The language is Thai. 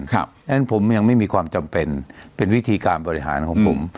เพราะฉะนั้นผมยังไม่มีความจำเป็นเป็นวิธีการบริหารของผม